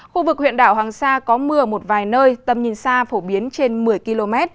khu vực huyện đảo hoàng sa có mưa một vài nơi tầm nhìn xa phổ biến trên một mươi km